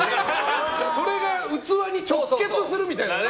それが器に直結するみたいなね。